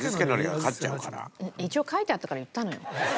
一応書いてあったから言ったのよ。